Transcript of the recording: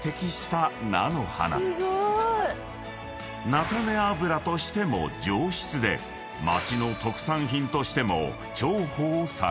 ［菜種油としても上質で町の特産品としても重宝されている］